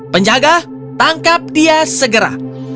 penjaga tangkap dia segera